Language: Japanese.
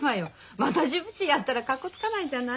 またジプシーやったらかっこつかないんじゃない？